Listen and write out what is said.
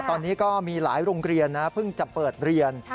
ตอนนี้ก็มีหลายโรงเรียนนะเพิ่งจะเปิดเรียน